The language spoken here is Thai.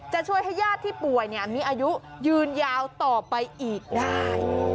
จะช่วยให้ญาติที่ป่วยมีอายุยืนยาวต่อไปอีกได้